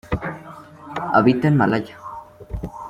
Habita en Malaya.